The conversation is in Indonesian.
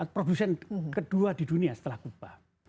produksi kedua di dunia setelah kupa